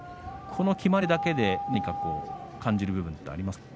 この決まり手だけで何か感じる部分はありますか。